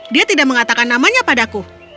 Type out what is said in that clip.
dia tidak mengatakan namanya padaku